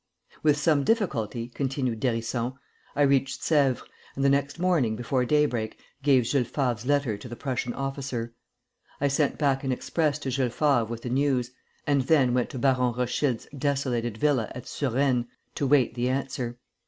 "With some difficulty," continued d'Hérisson, "I reached Sèvres, and the next morning before daybreak gave Jules Favre's letter to the Prussian officer. I sent back an express to Jules Favre with the news, and then went to Baron Rothschild's desolated villa at Suresnes to wait the answer.